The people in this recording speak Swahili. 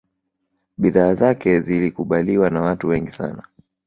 bidhaa zake zilikubaliwa na watu wengi sana